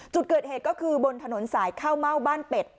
จุดเกิดเหตุก็คือบนถนนสายข้าวเม่าบ้านเป็ด